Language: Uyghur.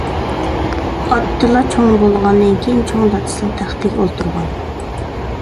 ئاتتىلا چوڭ بولغاندىن كېيىن، چوڭ دادىسىنىڭ تەختىگە ئولتۇرغان.